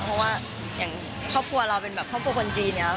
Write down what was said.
เพราะว่าอย่างครอบครัวเราเป็นแบบครอบครัวคนจีนอย่างนี้